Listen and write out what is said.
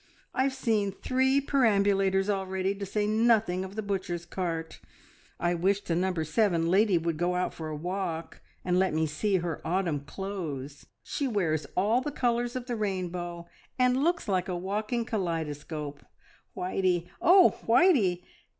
I've seen three perambulators already, to say nothing of the butcher's cart! I wish the Number Seven lady would go out for a walk, and let me see her autumn clothes. She wears all the colours of the rainbow, and looks like a walking kaleidoscope... Whitey! Oh, Whitey!"